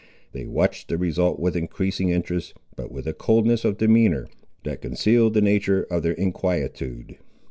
They watched the result with increasing interest, but with a coldness of demeanour that concealed the nature of their inquietude.